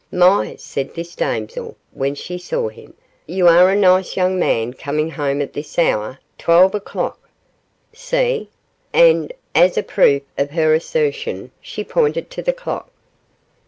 'My!' said this damsel, when she saw him, 'you are a nice young man coming home at this hour twelve o'clock. See?' and, as a proof of her assertion, she pointed to the clock.